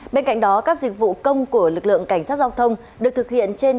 bên cạnh đó các dịch vụ công của lực lượng cảnh sát giao thông được thực hiện trên